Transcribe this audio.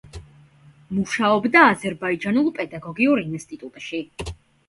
მუშაობდა აზერბაიჯანულ პედაგოგიურ ინსტიტუტში.